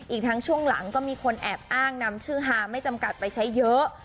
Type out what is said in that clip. อีกทั้งช่วงหลังก็มีคนแอบอ้างนำชื่อฮาไม่จำกัดไปใช้เยอะ